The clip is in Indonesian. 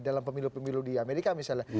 dalam pemilu pemilu di amerika misalnya